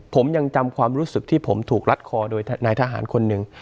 ผมยังจำความรู้สึกที่ผมถูกรัดคอโดยนายทหารคนหนึ่ง